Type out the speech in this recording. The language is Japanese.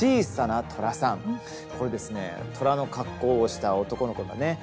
これですねトラの格好をした男の子のね